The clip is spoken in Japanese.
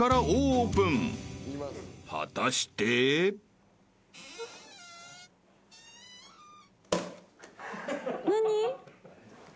［果たして］何？